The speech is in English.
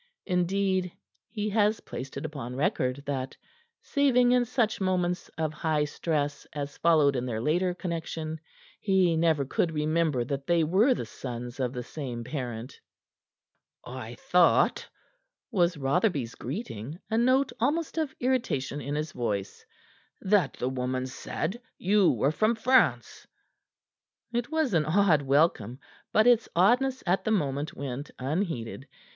Indeed, he has placed it upon record that, saving in such moments of high stress as followed in their later connection, he never could remember that they were the sons of the same parent. "I thought," was Rotherby's greeting, a note almost of irritation in his voice, "that the woman said you were from France." It was an odd welcome, but its oddness at the moment went unheeded.